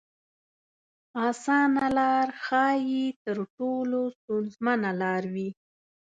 اسانه لار ښايي تر ټولو ستونزمنه لار وي.